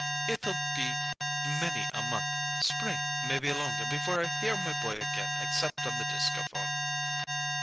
It'll be many a month spring maybe longer, before I hear my boy again except on the discaphone."